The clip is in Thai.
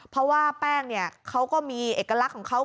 เพราะว่าแป้งเนี่ยเขาก็มีเอกลักษณ์ของเขา